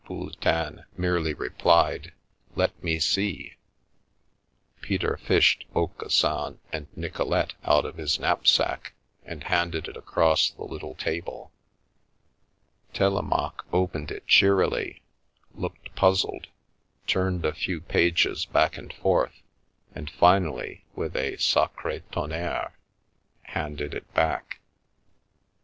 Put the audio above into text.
Pouletin merely replied, " Let me see," Peter fished " Aucassin and Nicole te " out of his knapsack, and handed it across the little table. Telemaque opened it cheerily, looked puzzled, turned a few pages back and forth, and finally, with a " Sacre tonnere !" handed it back.